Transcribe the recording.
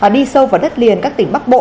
đi sâu vào đất liền các tỉnh bắc bộ